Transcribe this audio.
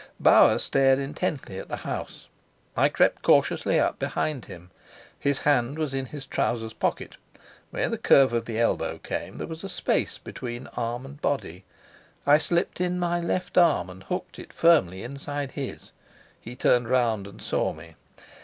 Bauer stared intently at the house; I crept cautiously up behind him. His hand was in his trousers' pocket; where the curve of the elbow came there with a space between arm and body. I slipped in my left arm and hooked it firmly inside his. He turned round and saw me.